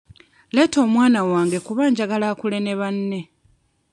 Leeta omwana wange kuba njagala akule ne banne.